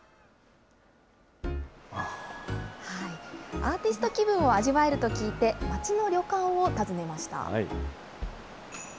アーティスト気分を味わえると聞いて、町の旅館を訪ねました。